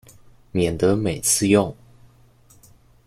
免得每次用